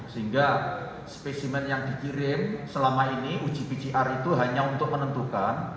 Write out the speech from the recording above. sehingga spesimen yang dikirim selama ini uji pcr itu hanya untuk menentukan